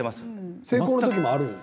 成功したときもあるの？